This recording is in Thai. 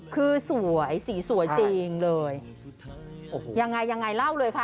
คือสวยสีสวยจริงเลยยังไงยังไงเล่าเลยค่ะ